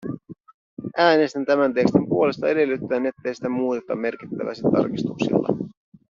Äänestän tämän tekstin puolesta edellyttäen, ettei sitä muuteta merkittävästi tarkistuksilla.